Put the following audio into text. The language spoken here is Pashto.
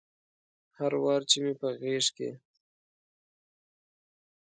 هر وار چې مې په غیږ کې